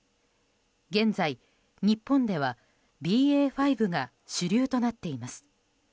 現在、日本ではＢＡ．５が主流となっています。